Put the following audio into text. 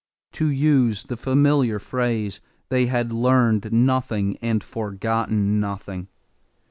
To use the familiar phrase, they had learned nothing and forgotten nothing.